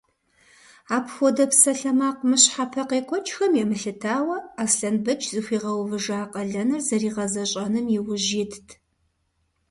Апхуэдэ псалъэмакъ мыщхьэпэ къекӏуэкӏхэм емылъытауэ, Аслъэнбэч зыхуигъэувыжа къалэныр зэригъэзэщӏэным иужь итт.